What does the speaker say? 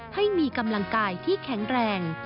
ให้มีกำลังกายที่แข็งแรง